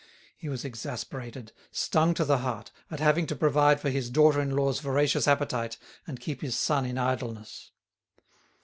He was exasperated, stung to the heart, at having to provide for his daughter in law's voracious appetite and keep his son in idleness.